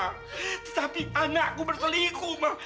tetapi anakku berselingkuh ma